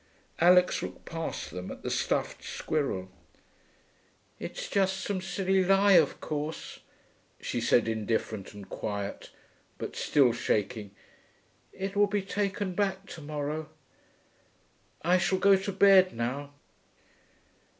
Alix looked past them, at the stuffed squirrel. 'It's just some silly lie of course,' she said, indifferent and quiet, but still shaking. 'It will be taken back to morrow.... I shall go to bed now.'